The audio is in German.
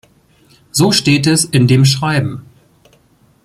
So steht es in dem Schreiben.